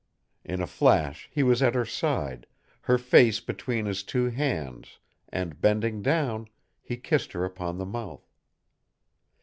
In a flash he was at her side, her face between his two hands and, bending down, he kissed her upon the mouth.